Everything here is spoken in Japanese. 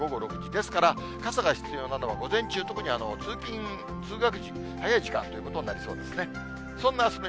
ですから、傘が必要なのは午前中、特に通勤・通学時、早い時間ということになりそうですね。